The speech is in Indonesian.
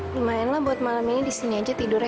lumayan lah buat malam ini disini aja tidurnya